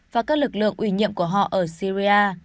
và các lực lượng ủy nhiệm của họ ở syria